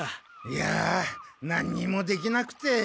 いやなんにもできなくて。